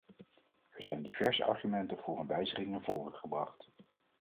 Er zijn diverse argumenten voor een wijziging naar voren gebracht.